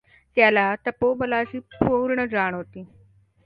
त्याला तपोबलाची पूर्ण जाण होती.